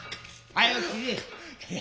早う斬れ。